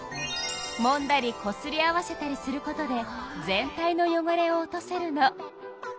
もんだりこすり合わせたりすることで全体のよごれを落とせるの。